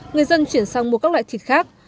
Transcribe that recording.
người dân chuyển sang mua các loại thịt khác